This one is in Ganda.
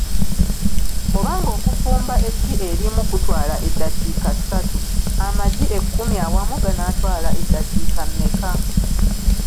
Oba ng'okufumba eggi erimu kutwala eddakiika ssatu, amagi ekkumi awamu ganaatwala eddakiika mmeka?